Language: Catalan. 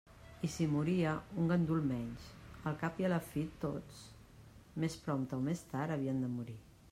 I si moria, un gandul menys; al cap i a la fi, tots, més prompte o més tard, havien de morir.